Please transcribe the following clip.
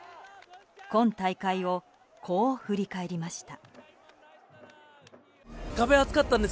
今大会を、こう振り返りました。